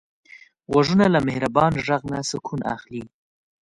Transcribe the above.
غوږونه له مهربان غږ نه سکون اخلي